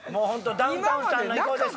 ダウンタウンさんの意向です